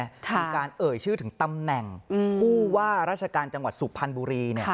มีการเอ่ยชื่อถึงตำแหน่งผู้ว่าราชการจังหวัดสุพรรณบุรี